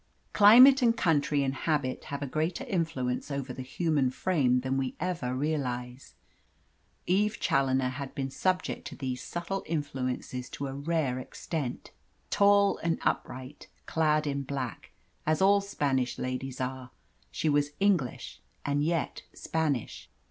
Climate and country and habit have a greater influence over the human frame than we ever realise. Eve Challoner had been subject to these subtle influences to a rare extent. Tall and upright, clad in black, as all Spanish ladies are, she was English and yet Spanish.